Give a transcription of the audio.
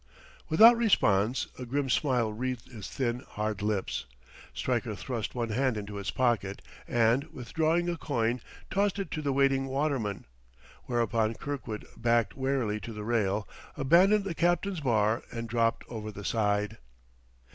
Without response, a grim smile wreathing his thin, hard lips, Stryker thrust one hand into his pocket, and withdrawing a coin, tossed it to the waiting waterman. Whereupon Kirkwood backed warily to the rail, abandoned the capstan bar and dropped over the side.